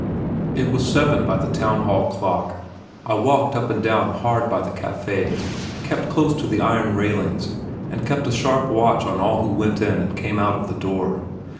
It was seven by the Town Hall clock. I walked up and down hard by the café, kept close to the iron railings, and kept a sharp watch on all who went in and came out of the door.